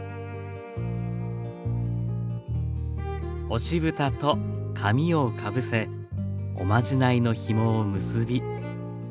押しぶたと紙をかぶせおまじないのひもを結び。